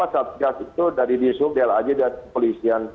sabcas itu dari disub dlaj dan polisian